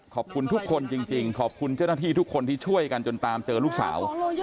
ขอบคุณทุกคนจริงขอบคุณเจ้าหน้าที่ทุกคนที่ช่วยกันจนตามเจอลูกสาว